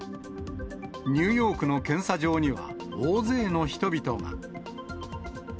ニューヨークの検査場には大勢の人々が。